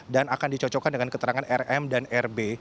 dan akan dicocokkan dengan keterangan rm dan rb